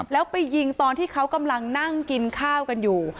แล้วไปยิงตอนที่เขากำลังนั่งกินข้าวกันอยู่